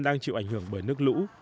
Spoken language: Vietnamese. đang chịu ảnh hưởng bởi nước lũ